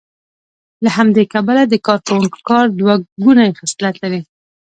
له همدې کبله د کارکوونکو کار دوه ګونی خصلت لري